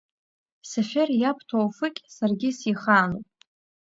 Сафер иаб Ҭоуфыкь саргьы сихаануп.